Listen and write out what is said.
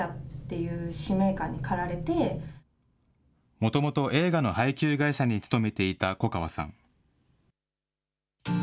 もともと映画の配給会社に勤めていた粉川さん。